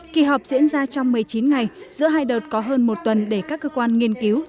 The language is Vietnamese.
kỳ họp diễn ra trong một mươi chín ngày giữa hai đợt có hơn một tuần để các cơ quan nghiên cứu